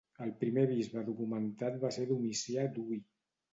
El primer bisbe documentat va ser Domicià d'Huy.